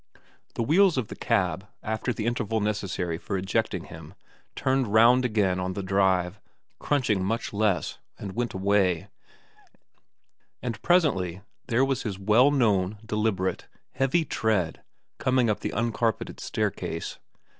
The wheels of the cab, after the interval necessary for ejecting him, turned round again on the drive, crunching much less, and went away, and presently there was his well known deliberate, heavy tread coming up the uncarpeted staircase.